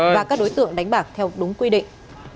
và các đối tượng đánh bạc theo đúng quy định